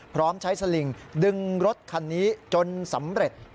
พร้อมใช้สลิงดึงรถคันนี้จนสำเร็จ